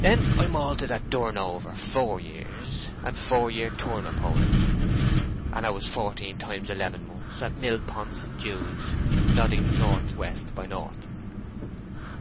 "Then I malted at Durnover four year, and four year turnip hoeing; and I was fourteen times eleven months at Millpond St. Jude's" (nodding north west by north).